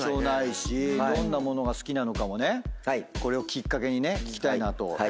ないしどんなものが好きなのかもこれをきっかけに聞きたいなと。